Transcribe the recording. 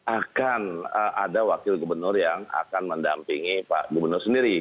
akan ada wakil gubernur yang akan mendampingi pak gubernur sendiri